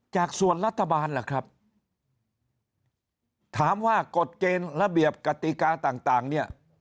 จากส่วนรัฐบาลล่ะครับถามว่ากฎเกณฑ์ระเบียบกติกาต่างเนี่ย